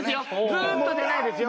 ずっとじゃないですよ。